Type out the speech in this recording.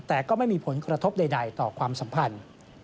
แต่ก็ไม่มีผลกระทบใดต่อความสัมพันธ์